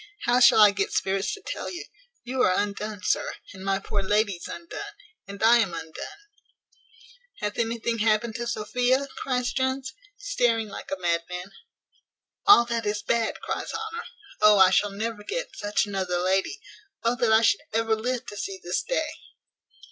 how shall I get spirits to tell you; you are undone, sir, and my poor lady's undone, and I am undone." "Hath anything happened to Sophia?" cries Jones, staring like a madman. "All that is bad," cries Honour: "Oh, I shall never get such another lady! Oh that I should ever live to see this day!"